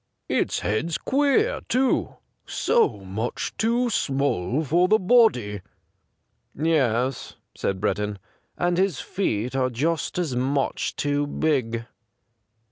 Its head's queer, too — so much too small for the body.' ' Yes,' said Breddon, 'and his feet are just as much too big.'